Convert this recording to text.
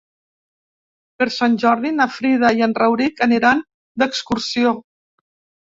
Per Sant Jordi na Frida i en Rauric aniran d'excursió.